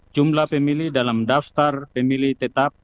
jumlah pemilih dalam daftar pemilih tetap